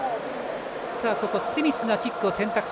スミスがキックを選択。